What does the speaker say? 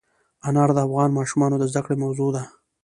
انار د افغان ماشومانو د زده کړې موضوع ده.